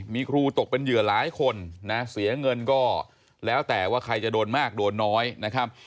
มีครูตกเป็นเหยื่อหลายคนนะเสียเงินก็แล้วแต่ว่าใครจะโดนมากโดนน้อยนะครับ